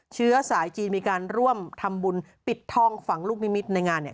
เชื้อสายจีนมีการร่วมทำบุญปิดทองฝังลูกนิมิตรในงานเนี่ย